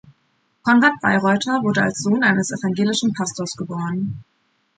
Konrad Beyreuther wurde als Sohn eines evangelischen Pastors geboren.